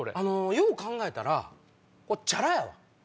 よう考えたらチャラやわ。